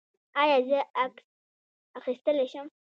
ایا زه عکس اخیستلی شم؟